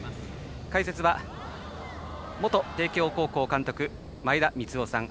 解説は、元帝京高校監督の前田三夫さん。